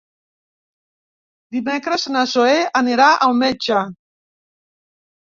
Dimecres na Zoè anirà al metge.